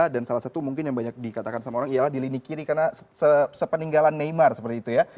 dan salah satu mungkin yang banyak dikatakan sama orang ialah di lini kiri karena sepeninggalan neymar seperti itu ya